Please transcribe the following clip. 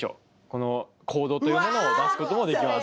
このコードというものを出すこともできます。